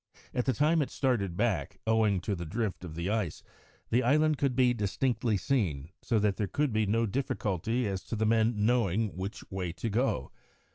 At the time it started back, owing to the drift of the ice, the island could be distinctly seen, so that there could be no difficulty as to the men knowing which way to go.